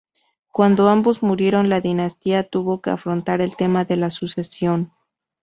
Cuando ambos murieron, la dinastía tuvo que afrontar el tema de la sucesión.